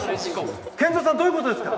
健三さん、どういうことですか。